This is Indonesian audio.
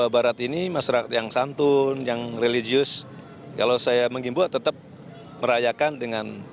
bagaimana dengan kota bandung